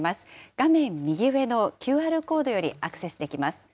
画面右上のＱＲコードよりアクセスできます。